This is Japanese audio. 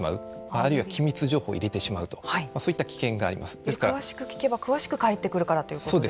あるいは機密情報を入れてしまうと詳しく聞けば詳しく返ってくるからということですね。